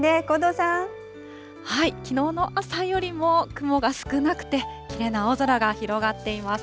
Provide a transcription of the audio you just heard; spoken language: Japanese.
きのうの朝よりも雲が少なくて、きれいな青空が広がっています。